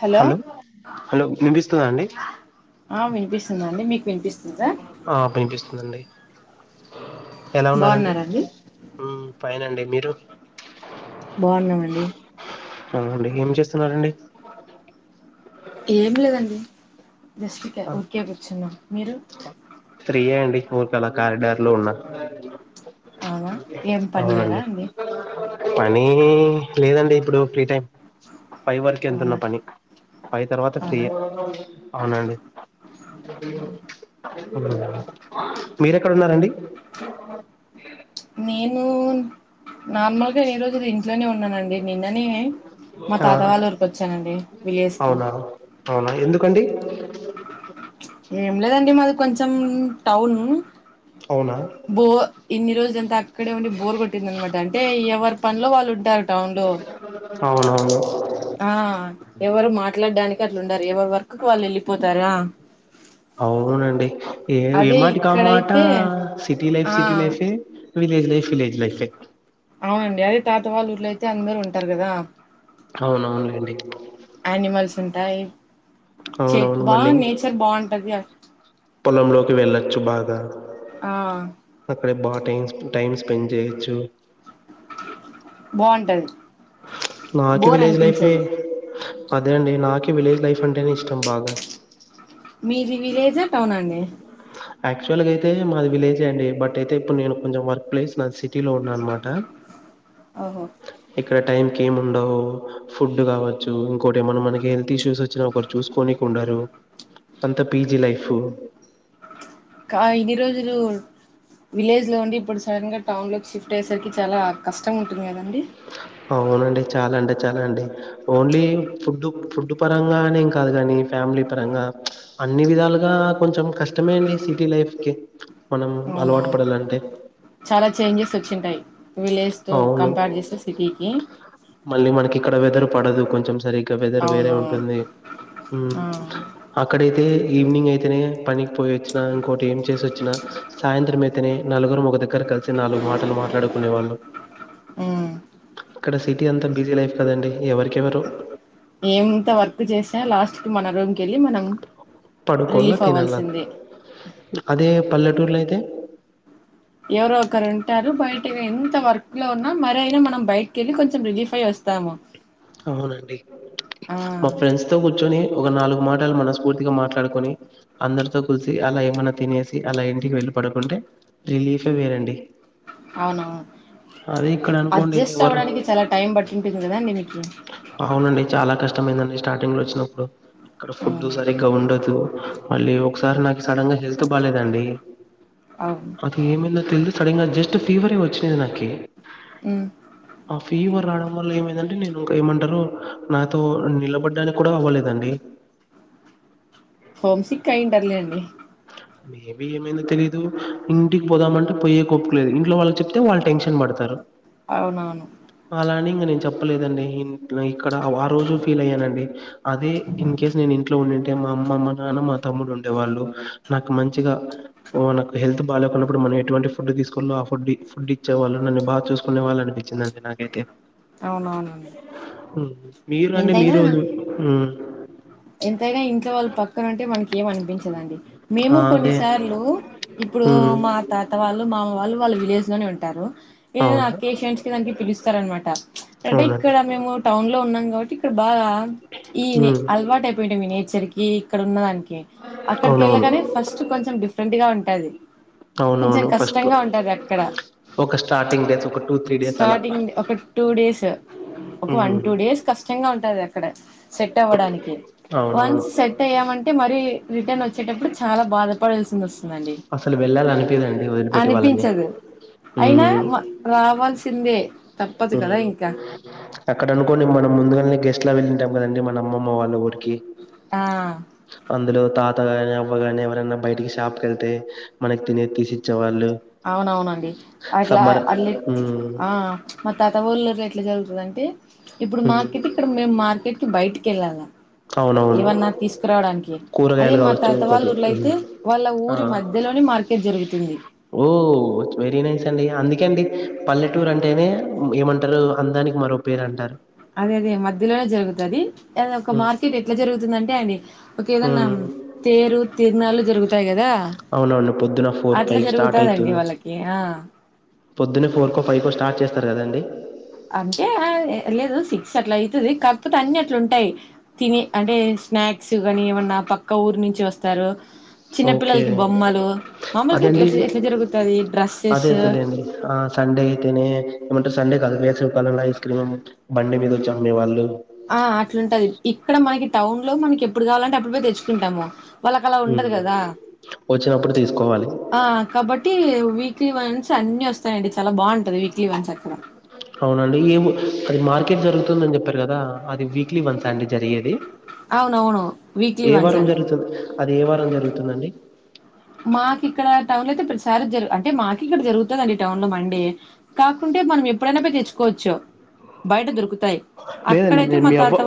Hello hello వినిపిస్తుందా అండి ఆ వినిపిస్తుందండి మీక్ ఆ వినిపిస్తుందన్డి ఎలా ఉన్నారండి బాగున్నారండి ఫైన్ అండి మీరు బాగున్నామండి అవునండి ఏమి చేస్తున్నారండి ఏం లేదండి జస్ట్ ఆ ఊరికే కూర్చున్నాం మీరు ఫ్రీ ఏ అండి ఊరికే ఆలా కారిడార్ లో ఉన్న అవునా ఏం పని లేదా అవునండి అండి పని లేదండి ఇప్పుడు ఫ్రీ టైం ఫైవ్ వరకు ఎంతున్న అవునా పని ఫైవ్ తర్వాత అవునా ఫ్రీయే అవునండి [inaudible] మీరెక్కడ ఉన్నారండి నేను నార్మల్గా ఈ రోజు ఇంట్లోనే ఉన్నానండి నిన్ననే మా ఆ తాత వాళ్ళ ఊరికొచ్చానండి విలేజ్ కి అవునా అవునా ఎందుకండి ఏం లేదండి మాది కొంచెం టౌన్ అవునా బో ఇన్ని రోజులంతా అక్కడే ఉండి బోర్ గొట్టింది అన్నమాట అంటే ఎవర్ పనిలో వాళ్ళు ఉంటారు టౌన్ లో అవునవును ఆ ఎవరు మాట్లాడడానికి అట్ల ఉండరు ఎవరి వర్కుకు వాళ్ళు వెళ్ళిపోతార ఆ అవునండి ఏ ఏమాటి కామాట ఇక్కడైతే సిటీ లైఫ్ ఆ సిటీ లైఫే విలేజ్ లైఫ్ విలేజ్ లైఫ్ ఏ అవునండి అదే తాతవాళ్ళు ఊర్లో అయితే అందరు ఉంటారు గదా అవునవునులేండి అనిమల్స్ ఉంటాయి చే అవునవును మళ్ళీ బాగు నేచర్ బాగుంటది అ పొలంలోకి వెళ్ళొచ్చు బాగా ఆ అక్కడే బాగ టైం టైం స్పెండ్ జేయొచ్చు బాగుంటది నాకి బోర్ విలేజ్ లైఫే అనిపించదు అదే అండి నాకి విలేజ్ లైఫ్ అంటే ఇష్టం బాగా మీది విలేజ్ ఆ టౌన్ అండి యాక్చువల్గా అయితే మాది విలేజే అండి బట్ అయితే ఇప్పుడు నేను కొంచెం వర్క్ ప్లేస్ నా సిటీలో ఉన్నా అన్నమాట ఓహో ఇక్కడ టైంకి ఏమి ఉండవు ఫుడ్ గావచ్చు ఇంకోటి ఏమైనా మనకి హెల్త్ ఇష్యూస్ వచ్చినా ఒకరు చూసుకొని ఉండరు అంత పీజీ లైఫ్ కా ఇన్ని రోజులు విలేజ్ లో ఉండి ఇప్పుడు సడన్ గా టౌన్ లో షిఫ్ట్ అయేసరికి చాలా కష్టం ఉంటుంది కదండి అవునండి చాలా అంటే చాలా అండి ఓన్లీ ఫుడ్ ఫుడ్ పరంగానే కాదు గానీ ఫ్యామిలీ పరంగా అన్ని విధాలుగా కొంచెం కష్టమే అండి సిటీ లైఫ్ కి అవునవును చాలా చేంజెస్ వచ్చింటాయి విలేజ్ తో అవును. కంపేర్ చేస్తే సిటీకి మళ్ళీ మనకి ఇక్కడ వెదర్ పడదు కొంచెం సరిగ్గా వెదర్ వేరే అవును ఉంటుంది ఉమ్ ఆ అక్కడైతే ఈవినింగ్ అయితేనే పనికి పోయివచ్చినా ఇంకోటి ఏం చేసి వచ్చినా సాయంత్రం అయితేనే నలుగురం ఒక దగ్గర కలిసి నాలుగు మాటలు మాట్లాడుకునే వాళ్ళు ఉమ్ ఇక్కడ సిటీ అంతా బిజీ లైఫ్ కదండి ఎవరికెవరు ఏం ఇంత వర్క్ చేసా లాస్ట్ కి మన రోజ పడుకోలా తినలా అవ్వాల్సిందే అదే పల్లెటూర్లో ఐతే తే ఎవరో ఒకరు ఉంటారు బయట ఎంత వర్క్ లో ఉన్న మరి అయినా మనం బయటకెళ్ళి కొంచెం రిలీఫ్ అయి వస్త్ ఇస్తాము అవునండి మా ఫ్రెండ్స్ తో కూర్చొని ఒక నాలుగు మాటలు మనస్ఫూర్తిగా మాట్లాడుకొని అందరితో కుల్సి అలా ఏమన్నా తినేసి అలా ఇంటికి వెళ్ళ పడుకుంటే రిలీఫే వేరండి అవునవును అదే ఇక్కడ అనుకోండి అడ్జస్ట్ ఎవరు అవ్వడానికి చాలా టైం పట్టి ఉంటుంది గదా అవునండి చాలా కష్టమైందండి స్టార్టింగ్ లో వచ్చినప్పుడు ఇక్కడ ఆ ఫుడ్ సరిగ్గా ఉండదు మళ్ళీ ఒకసారి నాకు సడన్ గా హెల్త్ బాలేదండి అవును అది ఏమైందో తెలిదు సడన్ గా జస్ట్ ఫీవరే వచ్చ్ చ్చింది నాకి ఉమ్ ఆ ఫీవర్ రావడం వల్ల ఏమైందంటే నేను ఇంకా ఏమంటారు నాతో నిలబడ్డానికి కూడా అవ్వలేదండి హోమ్ సిక్ అయ్యి ఉంటర్లేండి మేబీ ఏమైందో తెలీదు ఇంటికి పోదామంటే పోయ్యే కోప్పిక లేదు ఇంట్లో వాళ్ళు చెప్తే వాళ్ళు టెన్షన్ పడతారు అవునవును అలా అని ఇంగ నేను చెప్పలేదండి ఇం ట్లో ఇక్కడ ఆ రోజు ఫీల్ అయ్యానండి అదే ఇన్ కేస్ నేను ఇంట్లో ఉండింటే మా అమ్మ మా నాన్న మా తమ్ముడు ఉండే వాళ్ళు నాకు మంచిగా నాకు హెల్త్ బాలేకున్నప్పుడు మనం ఎటువంటి ఫుడ్ దీసుకోవాలో ఫుడ్ ఫుడ్ ఇచ్చేవాళ్ళు నన్ను బాగా చూసుకునే వాళ్ళు అనిపించిందండి నాకైతే అవునవును ఉమ్ మీరు అండి మీరోజు ఎంతైనా ఇంట్లో వాళ్ళు పక్కన ఉంటే మనకి ఏమ్ అనిపించదండి మేము ఆ అదే కొన్నిసార్లు ఇప్పుడు మ్మ్ మా తాత వాళ్ళు మా మామ్మ వాళ్ళు వాళ్ళు విలేజ్ లోనే ఉంటారు ఏ అవునా అకేషన్స్ కి దానికి పిలుస్తారన్నమాట అంటే అవునండి ఇక్కడ మేము టౌన్ లో ఉన్నాం గాబట్టి ఇక్కడ బాగా ఈ నే మ్మ్ అల్వాట్ అయిపోయింట మీ నేచర్ కి ఇక్కడ ఉన్న దానికి అక్కడికి అవునవును యెళ్ళగానే ఫస్ట్ కొంచెం డిఫరెంట్ గా ఉంటది కొంచెం అవునవును ఫస్ట్లో కష్టంగా ఉంటది అక్కడ ఒక స్టార్టింగ్ డేస్ ఒక టూ త్రీ డేస్ అలా స్టార్టింగ్ ఒక టూ డేస్ ఒక ఉమ్ వన్ టూ డేస్ కష్టంగా ఉం టది అక్కడ సెట్ అవ్వడానికి అవునవును వన్స్ సెట్ అయ్యామంటే మరి రిటర్న్ వచ్చ వచ్చేటప్పుడు చాలా బాధపడాల్సింది వస్త్ దండి అసలు వెళ్ళాలనిపిదండి వదిలిపెట్టి వాళ్ళని అనిపించదు అయినా ఉమ్ రావాల్సి సిందే తప్పదు ఉమ్ గదా ఇంకా అక్కడ అనుకోని మనం ముందుగానే గెస్ట్లా వెళ్ళుంటాం గదండి మన అమ్మమ్మ వాళ్ళ ఊరికి ఆ అందులో తాత గాని అవ్వగాని ఎవరైనా బయటికి షాప్కి కెళ్తే మనకి తినేద్ తీసి ఇచ్చేవాళ్ళు అవునవునండి అట్లా అట్ల్ ఉమ్ ఆ మాతాత వోళ్ళు ఎట్లా జరుగుతదంటే ఇప్పుడు ఉమ్ మార్కెట్ ఇక్కడ మేము మార్కెట్కి బయటికెళ్ళాలా అవునవును ఏవన్నా తీసుకురావడానికి అదే కూరగాయలు మా కావచ్చు తాతవాళ్ళు ఇంకోటి ఊర్ళ ఉమ్ అయితే వాళ్ళ ఆ ఊరి మధ్యలోని మార్కెట్ జరుగుతుంది ఓ వెరీ నైస్ అండి అందుకే అండి పల్లెటూర్ అంటేనే ఏమంటారు అందానికి మరో పేరు అంటారు అదే అదే మధ్యలోనే జరుగుతది అది ఒక హ్మ్ మార్కెట్ ఎట్లా జరుగుతుందంటే అది ఒకే ఏదన్నా తేరు తిరునాలు జరుగుతు ఉంటాయి గదా అవునవును పొద్దున ఫోర్ అట్లా ఫైవ్ స్టార్ట్ జరుగుతాదండి అయితుంది వాళ్ళకి ఆ పొద్దున్నే ఫోర్ కో ఫైవ్ కో స్టార్ట్ చేస్తారు కదండి అంటే ఆ లేదు సిక్స్ అట్లా అయితది కాకపోతే అన్ని అట్ల ఉంటాయి తిని అంటే స్నాక్స్ గానీ ఏమన్నా పక్క ఊరు నుంచి వస్తారు చిన్న ఓకే పిల్లలకి బొమ్మలు మామలుగా అదండి ఎట్లా ఎట్లా జరుగుతది డ్రెస్సెస్ అదే అదేలేండి ఆ సండే అయితేనే ఏమంటే సండే కాదు వేసవి కాలంలో ఐస్ క్రీమ్ బండి మీద వచ్చె అమ్మే వాళ్ళు ఆ అట్లుంటది ఇక్కడ మనకి టౌన్ లో మనకి ఎప్పుడు గావాలంటే అప్పుడు పోయి దెచ్చుకుంటాము వాళ్ళకి అలా ఉండదు ఉమ్. గదా వచ్చినప్పుడు తీసుకోవాలి ఆ కాబట్టి వీక్లీ వన్స్ అన్ని వస్తాయండి చాలా బాగుంటది వీక్లీ వన్స్ అక్కడ అవునండి ఏ అది మార్కెట్ జరుగుతుందని జెప్పారు గదా అది వీక్లీ వన్సా అండి జరిగేది అవునవును వీక్లీ ఏ వన్స్ వారం అండి జరుగుతది అది ఏ వారం జరుగుతుందండి మాకి ఇక్కడ టౌన్ లో అయితే ప్రతిసారి జరు అంటే మాకు ఇక్కడ జరుగుతదండి టౌన్ లో మండే కాకుంటే మనం ఎప్పుడైనా పోయి తెచ్చుకోవచ్చు బయట దొరుకుతు లేదండి నేను మీ అవ్వ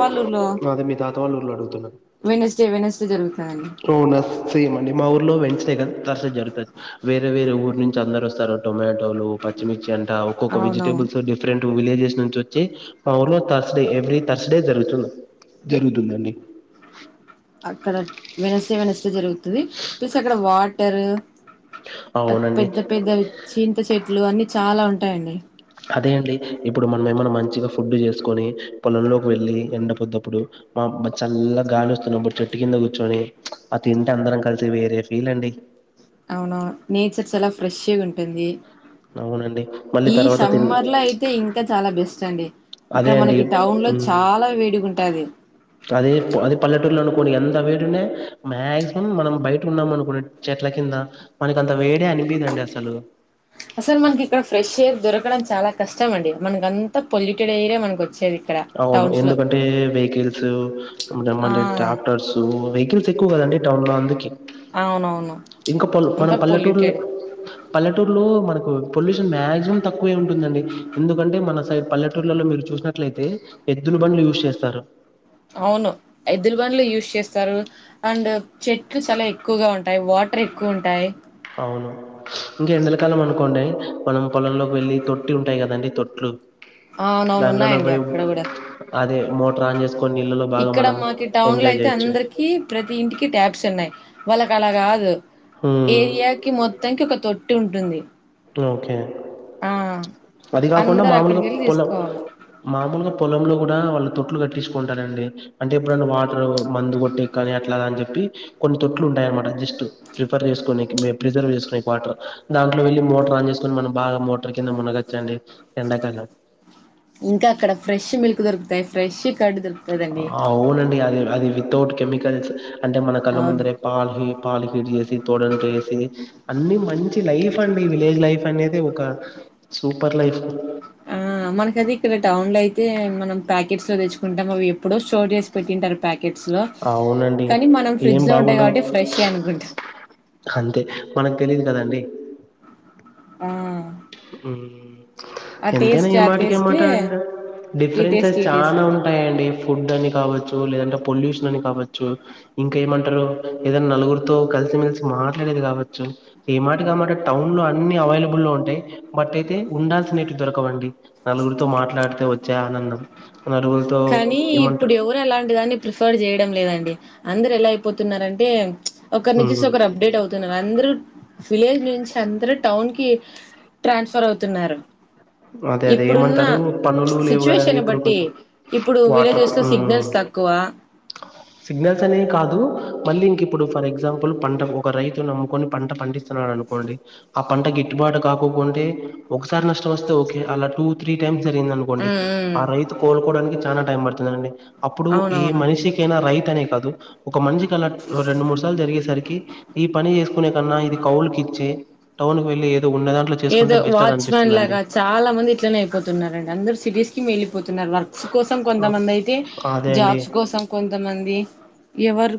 అదే మీ తాత వాళ్ళు ఊర్లో అడుగుతున్నా వెనస్డే వెనస్డే జరుగుతదండి అవునా ఫీమ్ అండి మా ఊర్లో వెంచ్ కదా తర్స జరుగుతుది వేరే వేరే ఊరు నుంచి అందరు వస్తారు టోమాటోలు పచ్చిమిర్చి అంట ఒక్కొక్క అవునవును వెజిటబుల్స్ డిఫరెంట్ విలేజెస్ నుంచి వచ్చి మా ఊర్లో థర్స్డే ఎవ్రీ థర్స్డే జరుగుతుం జరుగుతదండి అక్కడ వెనస్డే వెనస్డే జరుగుతది ప్లస్ అక్కడ వాటర్ అవునండి పెద్ద పెద్దవి చింత చెట్లు అన్ని చాలా ఉంటాయండి అదే అండి ఇప్పుడు మనం ఏమన్నా మంచిగా ఫుడ్డు చేసుకొని పొలంలోకి వెళ్ళి ఎండపోద్దప్పుడు మా అబ్బ చల్ల గాలి వస్తున్నప్పుడు చెట్టు కింద కూర్చొని ప్చ్ ఆ తింటే అందరం కలిసి వేరే ఫీల్ అండి అవునవును నేచర్ చాలా ఫ్రెష్ గుంటుంది అవునండి మళ్ళీ ఈ తర్వాత తిన్ సమ్మర్ లో అయితే ఇంకా చాలా బెస్ట్ అండి అదే ఇక్కడ అండి మనకి టౌన్ లో హ్మ్. చాలా వేడిగా ఉంటాది ఇప్పుడు ఎంత వేడి ఉన్న మాక్సిమం మనం బయట ఉన్నాం అనుకు చెట్ల కింద మనక అంత వేడే అ అనిపిదండీ అసలు అసలు మనకి ఇక్కడ ఫ్రెష్ ఎయిర్ దొరకడం చాలా కష్టం అండి మనకంత పొల్యూటెడ్ ఎయిరే మనకు వచ్చ అవును ఎందుకంటే వెహికల్స్ ఆ మ ట్రాక్టర్స్ వెహికల్స్ ఎక్కువ కదండి టౌన్ లో అందుకే అవునవును ఇంకా పల్ మనం అంతా పల్లెటూరులో పొల్యూటెడ్ పల్లెటూరులో మనకు పొల్యూషన్ మాక్సిమం తక్కువే ఉంటుందండి ఎందుకంటే మన సైడ్ పల్లెటూర్లలో మీరు చూసినట్లయితే ఎద్దులు బండ్లు యూజ్ చేస్తారు అవును ఎద్దుల బండ్లు యూజ్ చేస్తారు అండ్ చెట్లు చాలా ఎక్కువగా ఉంటాయి వాటర్ ఎక్కువ ఉంటాయి అవును ఇంకా ఎండలకాలం అనుకోండి మనం పొలంలోకి వెళ్లి తొట్టి ఉంటాయి కదండి తొట్లు అవునవును దాంట్లలో ఉన్నాయండి పోయి అక్కడ కూడా అదే మోటర్ ఆన్ చేసుకొని నీళ్ళలో బాగా ఇక్కడ మనం మాకి టౌన్ లో ఎంజాయ్ అయితే చేయొచ్చు అందరికి ప్రతి ఇంటికి ట్యాబ్స్ ఉన్నాయి వాళ్ళకి అలా కాదు హ్మ్ ఏరియాకి మొత్తానికి ఒక తొట్టి ఉంటుంది ఓకే ఆ అది కాకుండా అందరు మామూలుగా అక్కడికి వెళ్ళి పొలం తీసుకోవాల మామూలుగా పొలంలో కూడా వాళ్ళ తొట్లు కట్టిచ్చుకుంటారండి అంటే ఎప్పుడైనా వాటర్ మందు కొట్టేకి కానీ అట్లా అని చెప్ప కొన్ని తొట్లు ఉంటాయ్ అనమాట ప్రిఫర్ చేసుకునేకి ప్రిజర్వ్ చేసుకునేకి వాటర్ దాంట్లో వెళ్ళి మోటర్ ఆన్ చేసుకుని మనం బాగా మోటర్ కింద మునగొచ్చండి ఎండాకాలం ఇంకా అక్కడ ఫ్రెష్ మిల్క్ దొరుకుతాయి ఫ్రెష్ కర్డ్ దొరుకుతదండి ఆ అవునండి అది అది వి తౌట్ కెమికల్స్ అంటే మన కళ్ళ అవును ముందరే పాలు పాలు హీట్ చేసి తోడంట వేసి అన్ని మంచి లైఫ్ అండి విలేజ్ లైఫ్ అనేది ఒక సూపర్ లైఫ్ ఆ మనకది ఇక్కడ టౌన్ లో అయితే మనం ప్యాకెట్స్ లో తెచ్చుకుంటాం అవి ఎప్పుడో స్టోర్ చేసి పెట్టింటారు ప్యా కెట్స్ లో అవునండి కానీ మనం ఏం ఫ్రిడ్జ్ లో ఉంటాయి బాగుండవు కాబట్టి ఫ్రెష్ ఏ అనుకుంటాం అంతే మనకు తెలిదు కదండి ఆ ఆ ఎంతైనా టేస్ట్ ఏ ఆ మాటకి ఏ టేస్ట్ మాట ఈ టేస్ట్ డిఫరెన్సెస్ ఈ చానా టేస్ట్ ఉంటాయండి ఫుడ్ అని కావచ్చు లేదంటే పొల్యూషన్ అని కావచ్చు ఇంకా ఏమంటారు ఏదైనా నలుగురితో కలిసిమెలిసి మాట్లాడేది కావచ్చు ఏ మాటి కామాట టౌన్ లో అన్ని అవైలబుల్ లో ఉంటాయి బట్ అయితే ఉండాల్సి నేటివి దొరకవండి నలుగురితో మాట్లాడితే వచ్చే ఆనందం నలుగురితో కానీ ఇప్పుడు ఏమంటారు ఎవరు అలాంటి దాన్ని ప్రిఫర్ చేయ లేదండి అందరు ఎలా అయిపోతున్నారంటే ప్చ్ ఒకరినీ ఉమ్ చూసి ఒకరు అప్డేట్ అవుతున్నారు అందరు విలేజ్ నుంచి అందరు టౌన్ కి ట్రాన్స్ఫర్ అవుతున్నారు అదే అదే ఇప్పుడున్న ఏమంటారు పనులు లేవు కదండి సిచ్యువేషన్ ఇప్పుడు బట్టి కొంచెం ఇప్పుడు వాటర్ విలేజెస్ లో ఉమ్ సిగ్నల్స్ తక్కువ సిగ్నల్స్ అనేవి కాదు మళ్ళీ ఇంక ఇప్పుడు ఫర్ ఎగ్జాంపుల్ పంట ఒక రైతు నమ్ముకొని పంట పండిస్తున్నాడు అనుకోండి ఆ పంట గిట్టు బాటు కాకోకుంటే ఒకసారి నష్ట తోస్తే ఓకే అలా టూ త్రీ టైమ్స్ జరిగింది అనుకోండి ఉమ్ ఉమ్ ఆ రైతు కోలుకోవడానికి చాలా టైం పడుతుందండి అప్పుడు ఏ అవునవునండి మనిషికైనా రైతు అనే కాదు ఒక మనిషికి అలా రెండు మూడు సార్లు జరిగేసరికి ఈ పని చేసుకునే కన్నా ఇది కౌలుకి ఇచ్చే టౌన్ కి వెళ్లి ఏదో ఉన్న దాంట్లో చేసుకుంటే ఏదో బెస్ట్ అని వాచ్మెన్ అనిపిస్తుందిండి లాగా చాలా మంది ఇట్లనే అయిపోతున్నారండి అందరు సిటీస్ కి మిలిపోతున్నారు వర్క్స్ కోసం ఆ, కొంతమంది అయితే అదే అండి జాబ్స్ కోసం కొంతమంది ఎవరు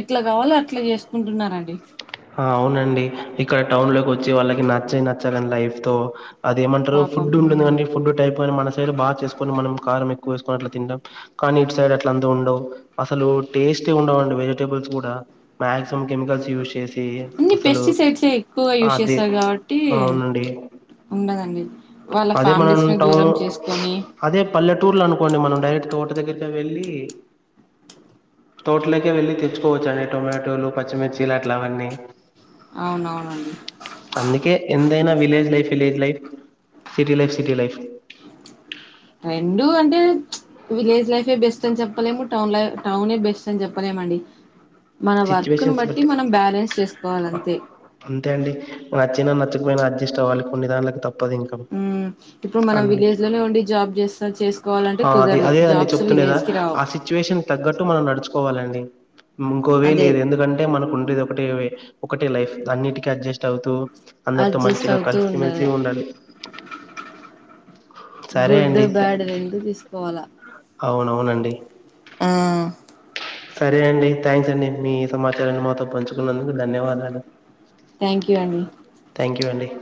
ఎట్లా కావాలో అట్లా చేసుకుంటున్నరండి చ్చి వాళ్ళకి నచ్చి నచ్చనీ లైఫ్ తో అదేమంటారు పాపం ఫుడ్ ఉమ్ ఉంటుందిం ఫుడ్ టైప్ని మన సైడ్ బా చేసుకొని మనం కారం ఏక్ కువ వేసుకోని అట్లా తినడం కానీ ఇటు సైడ్ అట్ల అంతా ఉండవు అసలు టేస్ట్ ఉండవుండి వెజిటబుల్స్ కూడా మాక్సిమం కెమికల్స్ యూస్ చే ఏ అన్ని అసలు పెస్టిసైడ్సే ఎక్కువగా యూజ్ ఆది చేస్తారు కాబట్టి అవునండి ఉండదండి వాళ్ళ అదే మనం ఫ్యామిలీస్ ని టౌన్ దూరం చేసుకొని అదే పల్లెటూర్లు అనుకోండి మనం డైరెక్ట్ తోట దగ్గర వెళ్ళి తోట్లేకె వెళ్ళి తెచ్ తెచుకోవచ్చు అండి టొమాటోలు పచ్చిమిర్చిలు అట్లా అవన్నీ అవునవునండి అందుకే ఎంతైనా village life village life city life city life రెండూ అంటే విలేజ్ లైఫే బెస్ట్ అని చెప్పలేము టౌన్ లై టౌనే బెస్ట్ అని చెప్పలేముండి మన వర్క్ను బట్టి మనం బ్యాలెన్స్ చేసుకోవాలి అంతే అంతే అండి నచ్చినా నచ్చకపోయినా అడ్జస్ట్వ్వి కొన్ని ధన్లకి తప్ప ఉమ్ ఇప్పుడు మనం విలేజ్ లోనే ఉండి జాబ్ చేస్తా చే ఆ అదే అదేదండి చెప్తునేదా రావు ఆ సిచ్యువేషన్ తగ్గట్టు మనం నడుచుకోవాలండి ఇంకోవే అదే లేదు ఎందుకంటే మనకు ఉండేది ఒకటే ఒకటే లైఫ్ అన్నిటికీ అడ్జస్ట్ అవుతూ అందరితో అడ్జెస్ట్ మంచిగా అవుతూ కలిసిమెలిసి ఉండలా ఉండాలి సరే గుడ్ అండి థా- బ్యాడ్ రెండు తీసుకోవాలా అవునవునండి ఆ సరే అండి థ్యాంక్స్ అండి మీ సమాచారాన్ని మాతో పంచుకున్నందుకు ధన్యవాదాలు థ్యాంక్ యూ అండి థ్యాంక్ యూ అండి